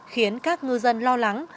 khiến các ngư dân lo lắng